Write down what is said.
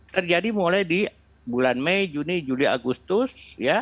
terjadi mulai di bulan mei juni juli agustus